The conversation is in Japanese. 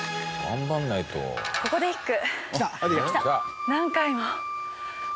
ここで一句。